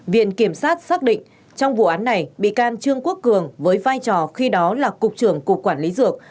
viện kiểm sát xác định trong vụ án này bị can trương quốc cường với vai trò khi đó là cục trưởng cục quản lý dược